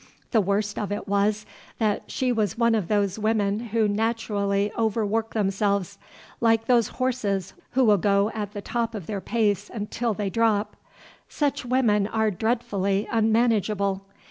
The worst of it was, that she was one of those women who naturally overwork themselves, like those horses who will go at the top of their pace until they drop. Such women are dreadfully unmanageable.